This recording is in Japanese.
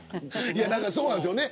そうなんですよね。